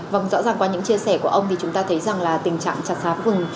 vâng rõ ràng qua những chia sẻ của ông thì chúng ta thấy rằng là tình trạng chặt phá rừng